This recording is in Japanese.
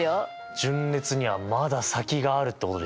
順列にはまだ先があるってことですね？